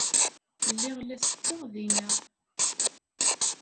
Lliɣ la setteɣ dinna.